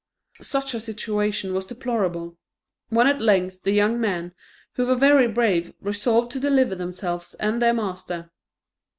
Such a situation was deplorable; when at length the young men, who were very brave, resolved to deliver themselves and their master.